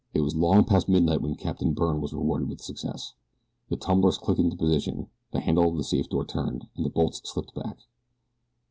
It was long past midnight when Captain Byrne was rewarded with success the tumblers clicked into position, the handle of the safe door turned and the bolts slipped back.